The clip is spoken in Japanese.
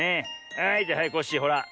はいじゃはいコッシーほら。